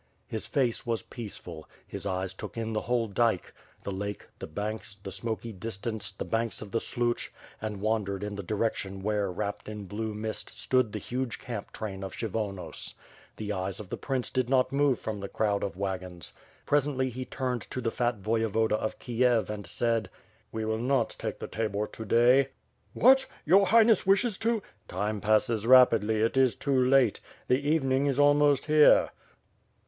His face was peaceful; his eyes took in the whole dike; the lake, the banks, the smoky distance, the banks of the Sluch, and wandered in the direction where wrapped in blue mist, stood the huge camp train of Kshyvonos. The eyes of the prince did not move from the crowd of wagons. Presently he turned to the fat Voyevoda of Kiev and said: "We will not take the tabor to day." "What? Your Highness wishes to? —" "Time passes rapidly; it is too late. The evening is almost here."